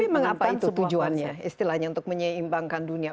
tapi mengapa itu tujuannya istilahnya untuk menyeimbangkan dunia